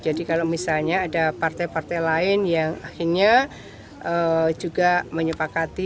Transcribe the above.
jadi kalau misalnya ada partai partai lain yang akhirnya juga menyepakati